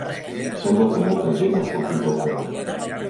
Sembla que molta gent ha sortit al carrer.